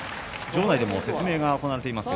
場内でも、ともえ戦の説明が行われています。